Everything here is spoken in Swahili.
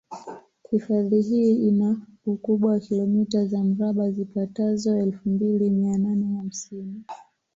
Hifadhi hii ina ukubwa wa kilometa za mraba zipatazo elfu mbili mia nane hamsini